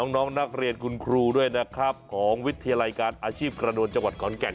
น้องนักเรียนคุณครูด้วยนะครับของวิทยาลัยการอาชีพกระนวลจังหวัดขอนแก่น